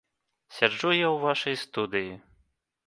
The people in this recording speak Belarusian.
Сяджу я ў вашай студыі.